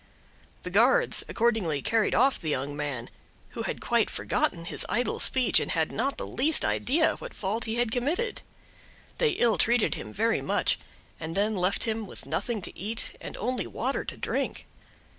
The guards accordingly carried off the young man, who had quite forgotten his idle speech, and had not the least idea what fault he had committed. They ill treated him very much, and then left him with nothing to eat and only water to drink.